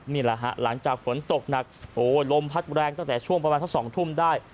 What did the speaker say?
นี่แหละฮะหลังจากฝนตกหนักโอ้ลมพัดแรงตั้งแต่ช่วงประมาณสัก๒ทุ่มได้